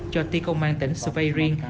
cho ti công an tỉnh sveirien